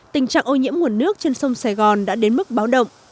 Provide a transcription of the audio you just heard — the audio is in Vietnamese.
tình trạng ô nhiễm nguồn nước trên sông sài gòn đã đến mức báo động